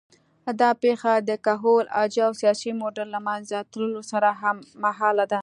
دا پېښه د کهول اجاو سیاسي موډل له منځه تلو سره هممهاله ده